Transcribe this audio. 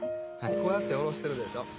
こうやっておろしてるでしょ。